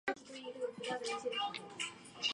臧儿是西汉初燕王臧荼的孙女。